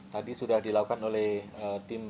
tadi sudah dilakukan oleh tim